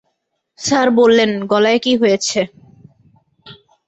Sir বললেন, গলায় কি হয়েছে।